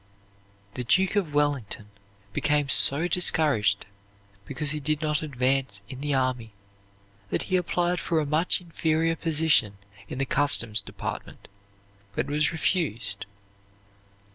The Duke of Wellington became so discouraged because he did not advance in the army that he applied for a much inferior position in the customs department, but was refused.